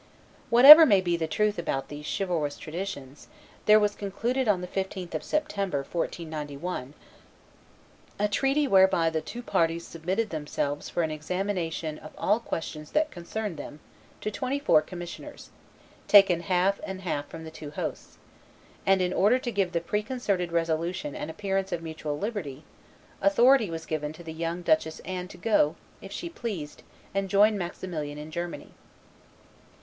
Whatever may be the truth about these chivalrous traditions, there was concluded on the 15th of September, 1491, a treaty whereby the two parties submitted themselves for an examination of all questions that concerned them to twenty four commissioners, taken half and half from the two hosts; and, in order to give the preconcerted resolution an appearance of mutual liberty, authority was given to the young Duchess Anne to go, if she pleased, and join Maximilian in Germany.